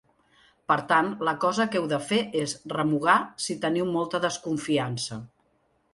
Per tant, la cosa que heu de fer és remugar si teniu molta desconfiança.